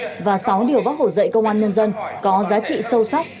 hội thảo tư tưởng hồ chí minh và sáu điều bác hổ dạy công an nhân dân có giá trị sâu sắc